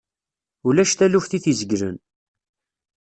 Ulac taluft i t-izegglen.